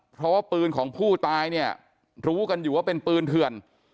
เพราะว่าปืนของผู้ตายเนี่ยรู้กันอยู่ว่าเป็นปืนเถื่อน